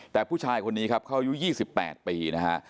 แต่ผู้ชายคนนี้ครับเขาอายุ๒๘ปีนะฮะ